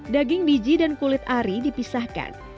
daging biji dan kulit ari dipisahkan